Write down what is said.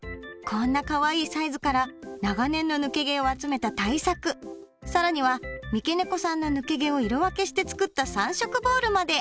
こんなかわいいサイズから長年の抜け毛を集めた大作更には三毛猫さんの抜け毛を色分けして作った３色ボールまで！